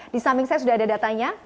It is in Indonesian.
di samping saya sudah ada datanya